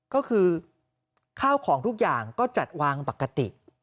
ก็คือข้าวของทุกอย่างก็จัดวางปกติ